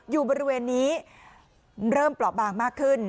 อยู่บริเวณนี้เริ่มเปราะบางมากขึ้น